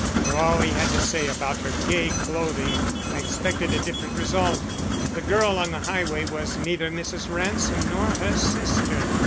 For all he had to say about her gay clothing, I expected a different result. The girl on the highway was neither Mrs. Ransom nor her sister.